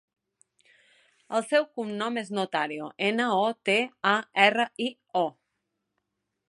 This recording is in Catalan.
El seu cognom és Notario: ena, o, te, a, erra, i, o.